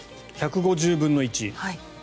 １５０分の１。